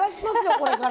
これから。